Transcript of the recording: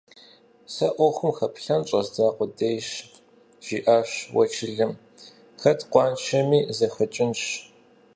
- Сэ Ӏуэхум хэплъэн щӀэздза къудейщ, - жиӏащ уэчылым, - хэт къуаншэми зэхэкӀынщ…